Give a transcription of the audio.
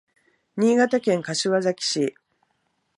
新潟県柏崎市